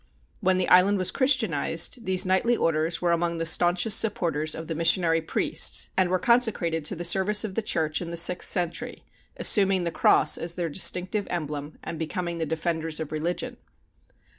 When the island was Christianized, these knightly orders were among the staunchest supporters of the missionary priests, and were consecrated to the service of the church in the sixth century, assuming the cross as their distinctive emblem, and becoming the defenders of religion.